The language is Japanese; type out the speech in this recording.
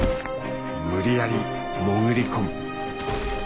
無理やり潜り込む。